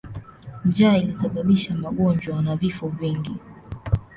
Njaa ilisababisha magonjwa na vifo vingi.